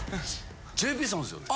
ＪＰさんですよね？